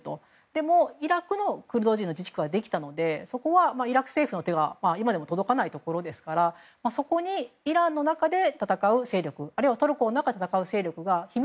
でも、イラクにはクルド人の自治区はできたのでそこはイラク政府の手が今でも届かないのでそこにイランの中で戦う勢力あるいはトルコの中で戦う勢力。